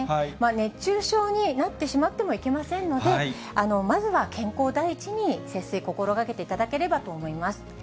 熱中症になってしまってもいけませんので、まずは健康第一に、節水、心がけていただければと思います。